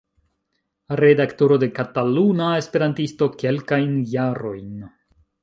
Redaktoro de Kataluna Esperantisto kelkajn jarojn.